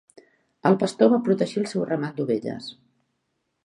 El pastor va protegir el seu ramat d'ovelles.